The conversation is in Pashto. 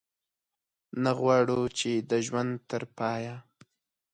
نه غواړو چې د ژوند تر پایه.